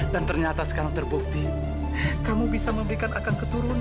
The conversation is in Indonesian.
dan ternyata sekarang terbukti kamu bisa memberikan akang keturunan